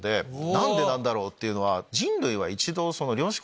何でなんだろう？っていうのは。